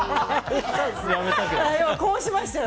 こうしましたよ。